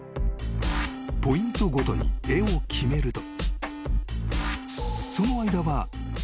［ポイントごとに絵を決めるとその間は］